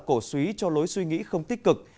cổ suý cho lối suy nghĩ không tích cực